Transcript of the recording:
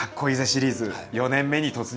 シリーズ４年目に突入しました。